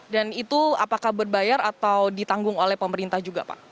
dan itu apakah berbayar atau ditanggung oleh pemerintah juga pak